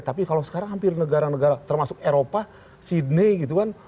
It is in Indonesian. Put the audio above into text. tapi kalau sekarang hampir negara negara termasuk eropa sydney gitu kan